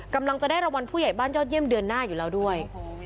กำลังจะได้รางวัลผู้ใหญ่บ้านยอดเยี่ยมเดือนหน้าอยู่แล้วด้วย